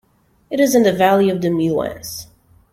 It is in the valley of the Muance.